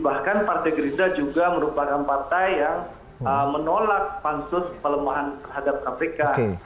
bahkan partai gerindra juga merupakan partai yang menolak pansus pelemahan terhadap kpk